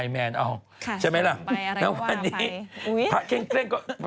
กระฉันไปอะไรก็ว่าไป